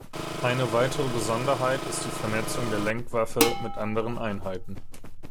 Eine weitere Besonderheit ist die Vernetzung der Lenkwaffe mit anderen Einheiten.